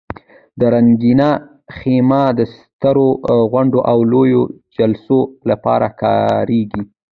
دا رنګینه خیمه د سترو غونډو او لویو جلسو لپاره کارېږي.